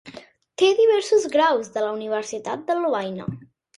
Té diversos graus de la Universitat de Lovaina.